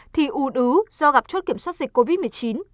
thì ưu ứu do gặp chốt kiểm soát dịch covid một mươi chín